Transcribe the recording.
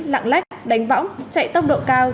lạng lách đánh bão chạy tốc độ cao